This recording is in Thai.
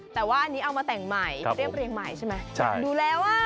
แต่ว่าอันนี้เอามาแต่งใหม่เรียบเรียงใหม่ใช่ไหมดูแล้วอ่ะ